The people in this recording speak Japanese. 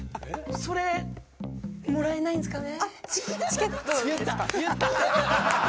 「それもらえないんですかね？」。